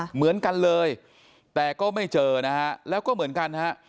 เหมือนกันเลยแต่ก็ไม่เจอนะฮะแล้วก็เหมือนกันฮะ